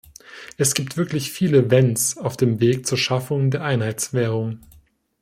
Es gibt wirklich viele "Wenns" auf dem Weg zur Schaffung der Einheitswährung.